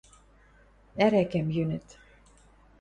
Ӓрӓкӓм йӱныт.